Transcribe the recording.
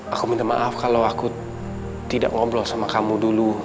aku minta maaf kalau aku tidak ngobrol sama kamu dulu